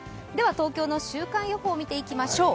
東京の週間予報を見ていきましょう。